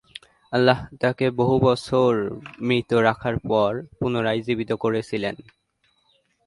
আল্লাহ তাকে বহুবছর মৃত রাখার পর পুনয়ায় জীবিত করেছিলেন।